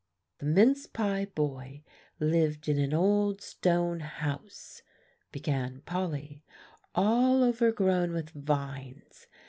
"The mince pie boy lived in an old stone house," began Polly, "all overgrown with vines.